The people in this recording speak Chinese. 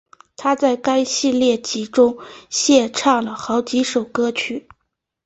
她在该系列剧集中献唱了好几首歌曲。